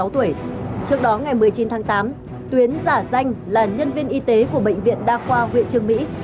trước đó ngày một mươi chín tháng tám tuyến giả danh là nhân viên y tế của bệnh viện đa khoa huyện trường mỹ